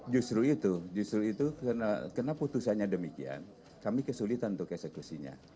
justru itu justru itu karena putusannya demikian kami kesulitan untuk eksekusinya